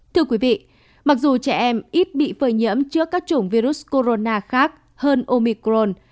thưa quý vị mặc dù trẻ em ít bị phơi nhiễm trước các chủng virus corona khác hơn omicron